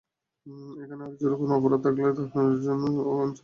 এখানে আরজুর কোনো অপরাধ থাকলে তার জন্য আইন ছিল, বিচার হতো।